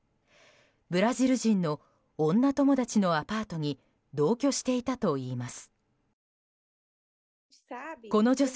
ブラジル人の女友達のアパートに同居していたといいます。